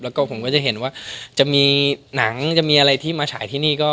แล้วก็ผมก็จะเห็นว่าจะมีหนังจะมีอะไรที่มาฉายที่นี่ก็